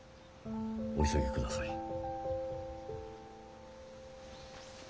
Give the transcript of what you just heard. お急ぎください。